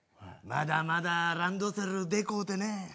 まだまだランドセルでこおてね。